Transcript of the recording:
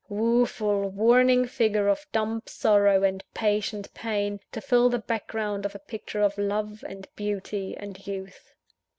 Woeful, warning figure of dumb sorrow and patient pain, to fill the background of a picture of Love, and Beauty, and Youth!